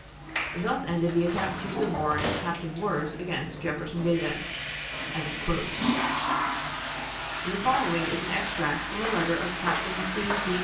Thus ended the attempt to suborn Captain Wirz against Jefferson Davis." The following is an extract from a letter of Captain C. B.